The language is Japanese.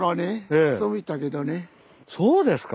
そうですか。